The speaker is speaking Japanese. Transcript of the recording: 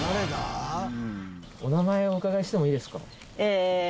お名前お伺いしてもいいですか？